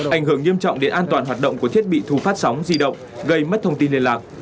ảnh hưởng nghiêm trọng đến an toàn hoạt động của thiết bị thu phát sóng di động gây mất thông tin liên lạc